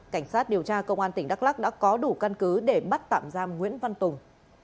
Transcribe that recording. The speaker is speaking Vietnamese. cảnh sát điều tra công an tỉnh đắk lắc đã có đủ căn cứ để bắt tạm giam nguyễn văn tùng